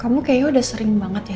kamu kayaknya udah sering banget ya